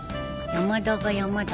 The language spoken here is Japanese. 山田が山だ？